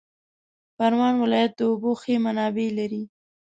پروان ولایت د اوبو ښې منابع لري